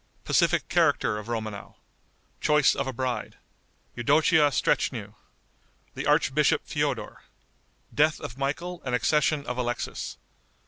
Pacific Character of Romanow. Choice of a Bride. Eudochia Streschnew. The Archbishop Feodor. Death of Michael and Accession of Alexis.